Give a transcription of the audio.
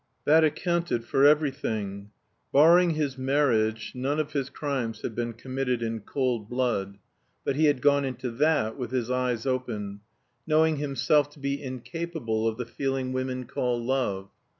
That accounted for everything. Barring his marriage, none of his crimes had been committed in cold blood; but he had gone into that with his eyes open, knowing himself to be incapable of the feeling women call love.